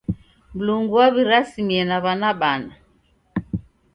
Mlungu waw'irasimie na w'ana bana.